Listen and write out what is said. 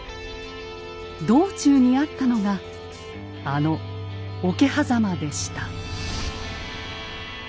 道中にあったのがあの桶狭間でした。